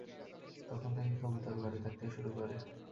তখন থেকেই কবুতর ঘরে থাকতে শুরু করে।